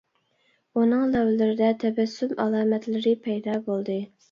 ئۇنىڭ لەۋلىرىدە تەبەسسۇم ئالامەتلىرى پەيدا بولدى.